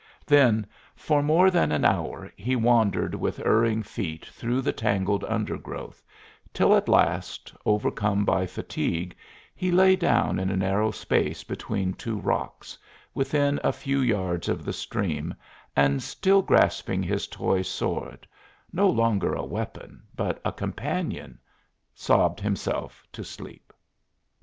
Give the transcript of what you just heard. Then, for more than an hour, he wandered with erring feet through the tangled undergrowth, till at last, overcome by fatigue, he lay down in a narrow space between two rocks, within a few yards of the stream and still grasping his toy sword, no longer a weapon but a companion, sobbed himself to sleep.